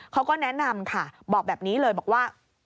เขาก็แนะนำค่ะบอกแบบนี้เลยบอกว่า